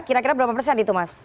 kira kira berapa persen itu mas